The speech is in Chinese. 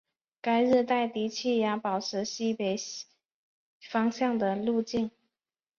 该热带低气压保持向西北方向的路径。